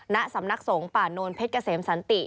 ณสำนักสงฆ์ป่านนเพชรเกษมสันติ